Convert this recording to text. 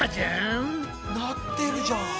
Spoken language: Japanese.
なってるじゃん！